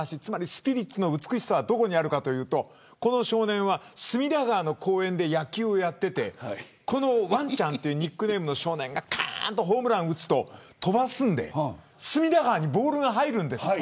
スピリッツの美しさはどこにあるかというとこの少年は隅田川の公園で野球をやっていてこのワンちゃんというニックネームの少年がホームランを打つと飛ばすので隅田川にボールが入るんです。